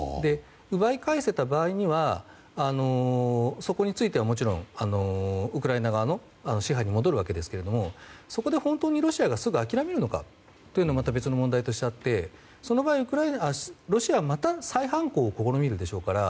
奪い返せた場合にはそこについてはウクライナ側の支配に戻るわけですがそこで本当にロシアがすぐに諦めるのかというのは別の問題でその場合はロシアはまた再反攻を試みるでしょうから。